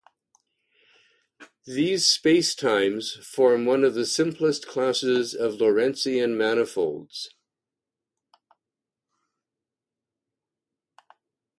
These spacetimes form one of the simplest classes of Lorentzian manifolds.